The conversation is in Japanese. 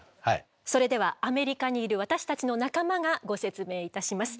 それではアメリカにいる私たちの仲間がご説明いたします。